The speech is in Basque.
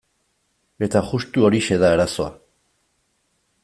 Eta justu horixe da arazoa.